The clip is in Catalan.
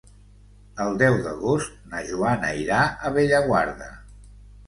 El deu d'agost na Joana irà a Bellaguarda.